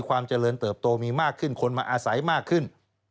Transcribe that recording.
ความเจริญเติบโตมีมากขึ้นคนมาอาศัยมากขึ้น